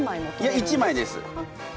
いや一枚です。